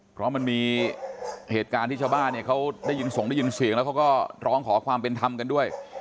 เพราะมันมีเหตุการณ์ที่ชาวบ้านเนี่ยเขาได้ยินส่งได้ยินเสียงแล้วเขาก็ร้องขอความเป็นธรรมกันด้วย